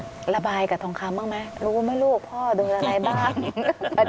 ระบายกับทองคำบ้างไหมรู้ไหมลูกพ่อโดนอะไรบ้าง